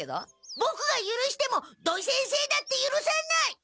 ボクがゆるしても土井先生だってゆるさない！